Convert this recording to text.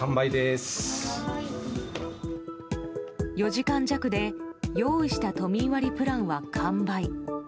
４時間弱で用意した都民割プランは完売。